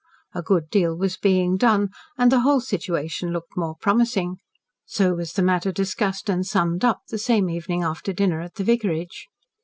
A good deal was "being done," and the whole situation looked more promising. So was the matter discussed and summed up, the same evening after dinner, at the vicarage.